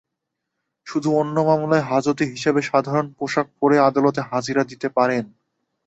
শুধু অন্য মামলায় হাজতি হিসেবে সাধারণ পোশাক পরে আদালতে হাজিরা দিতে পারেন।